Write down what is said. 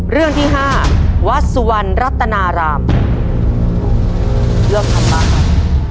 เรื่องที่ห้าวัดสุวรรณรัฐนารามเรื่องธรรมะครับ